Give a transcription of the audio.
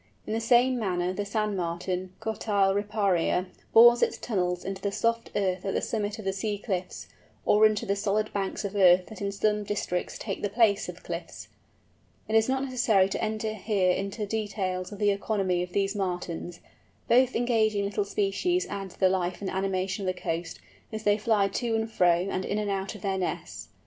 In the same manner the Sand Martin, Cotyle riparia, bores its tunnels into the soft earth at the summit of the sea cliffs, or into the solid banks of earth that in some districts take the place of cliffs. It is not necessary to enter here into details of the economy of these Martins. Both engaging little species add to the life and animation of the coast, as they fly to and fro and in and out of their nests.